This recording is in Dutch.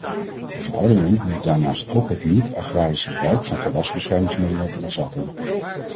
De verordening moet daarnaast ook het niet-agrarisch gebruik van gewasbeschermingsmiddelen bevatten.